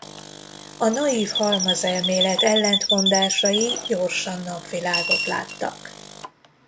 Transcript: A naiv halmazelmélet ellentmondásai gyorsan napvilágot láttak.